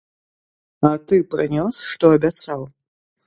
А ты прынёс, што абяцаў?